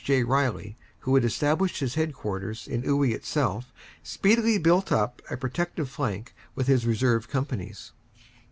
J. Riley, who had estab lished his headquarters in Iwuy itself, speedily built up a protective flank with his reserve companies.